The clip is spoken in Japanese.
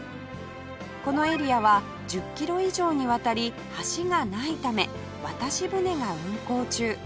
このエリアは１０キロ以上にわたり橋がないため渡し船が運行中